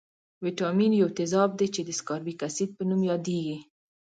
ویتامین یو تیزاب دی چې د سکاربیک اسید په نوم یادیږي.